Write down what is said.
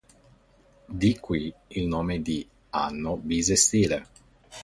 Di qui il nome di "anno bisestile".